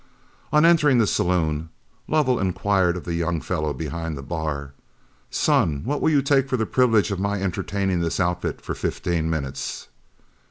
On entering the saloon, Lovell inquired of the young fellow behind the bar, "Son, what will you take for the privilege of my entertaining this outfit for fifteen minutes?"